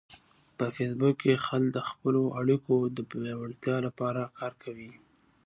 په فېسبوک کې خلک د خپلو اړیکو د پیاوړتیا لپاره کار کوي